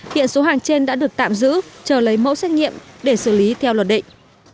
hiện số hàng trên đã được tạm giữ chờ lấy mẫu xét nghiệm để xử lý theo luật định